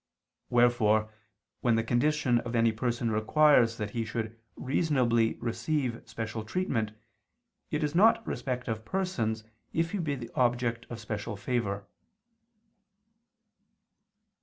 Wherefore when the condition of any person requires that he should reasonably receive special treatment, it is not respect of persons if he be the object of special favor.